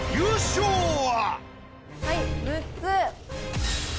はい６つ。